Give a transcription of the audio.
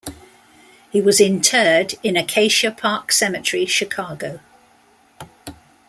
He was interred in Acacia Park Cemetery, Chicago.